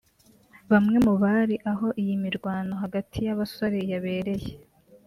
Bamwe mu bari aho iyi mirwano hagati y’aba basore yabereye